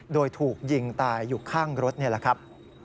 โดยถูกยิงตายอยู่ข้างรถนี่แหละครับ